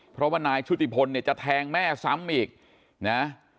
เพราะว่านายชุติพลเนี่ยจะแทงแม่ซ้ำอีกนะ